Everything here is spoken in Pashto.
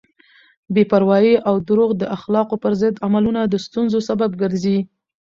بې پروایی او دروغ د اخلاقو پر ضد عملونه د ستونزو سبب ګرځي.